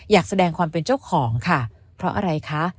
อยากแสดงความเป็นเจ้าของค่ะเพราะอะไรคะ